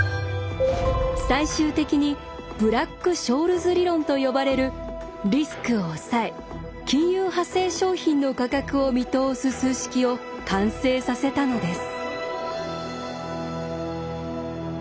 最終的にブラック・ショールズ理論と呼ばれるリスクをおさえ金融派生商品の価格を見通す数式を完成させたのです。